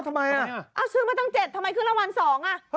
ทำไมอ่ะซื้อมาตั้ง๗ทำไมขึ้นรางวัล๒อ่ะ